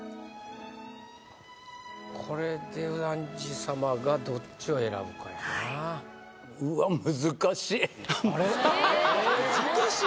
これで右團次様がどっちを選ぶかやなははははっ難しい？